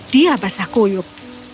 dia basah kuyuk